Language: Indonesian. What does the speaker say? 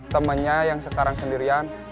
temennya yang sekarang sendirian